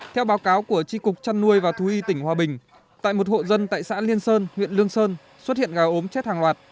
theo báo cáo của tri cục chăn nuôi và thú y tỉnh hòa bình tại một hộ dân tại xã liên sơn huyện lương sơn xuất hiện gà ốm chết hàng loạt